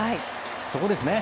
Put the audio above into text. そこですね。